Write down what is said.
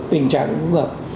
tình trạng úng gập